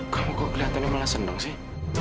kamu kok kelihatannya malah seneng sih